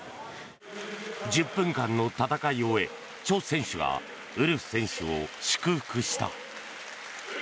１０分間の戦いを終えチョ選手がウルフ選手を祝福した。